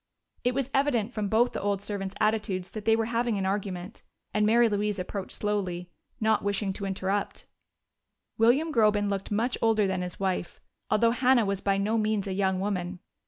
It was evident from both the old servants' attitudes that they were having an argument, and Mary Louise approached slowly, not wishing to interrupt. William Groben looked much older than his wife, although Hannah was by no means a young woman.